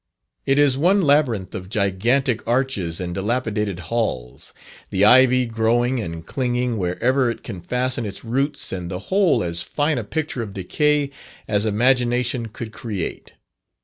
It is one labyrinth of gigantic arches and dilapidated halls, the ivy growing and clinging wherever it can fasten its roots, and the whole as fine a picture of decay as imagination could create.